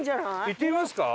行ってみますか？